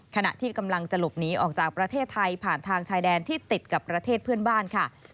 ขณะที่กำลังจะหลบหนีออกจากประเทศไทยผ่านทางชายแดนที่ติดกับประเทศเพื่อนบ้านค่ะ